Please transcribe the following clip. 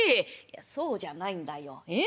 「いやそうじゃないんだよ。え？